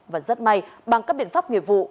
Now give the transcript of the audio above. và rất may bằng các biện pháp nghiệp vụ